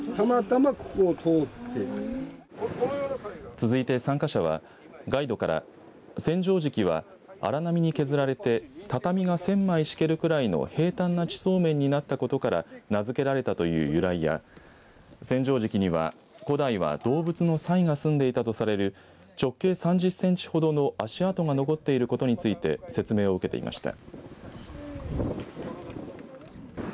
続いて参加者はガイドから千畳敷は荒波に削られて畳が１０００枚敷けるくらいの平たんな地層面になったことから名付けられたという由来や千畳敷には古代は動物のさいが住んでいたとされる直径３０センチほどの足跡が残っていることについて説明を受けていました。